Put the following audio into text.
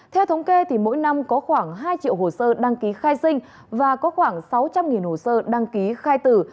theo thống kê mỗi năm có khoảng hai triệu hồ sơ đăng ký khai sinh và có khoảng sáu trăm linh hồ sơ đăng ký khai tử